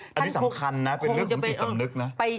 อันนี้สำคัญนะเป็นเรื่องของจิตสำนึกนะ